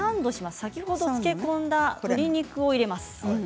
先ほどつけた鶏肉を入れます。